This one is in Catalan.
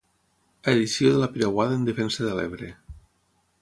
A edició de la Piraguada en Defensa de l'Ebre.